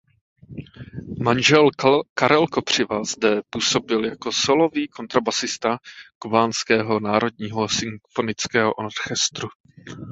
Manžel Karel Kopřiva zde působil jako sólový kontrabasista kubánského Národního symfonického orchestru.